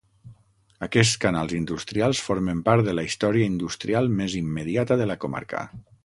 Aquests canals industrials formen part de la història industrial més immediata de la comarca.